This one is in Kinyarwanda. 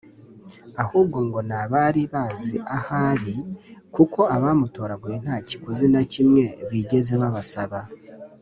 ahubwo ngo ni abari bazi aho ari kuko abamutoraguye nta kiguzi na kimwe bigeze babasaba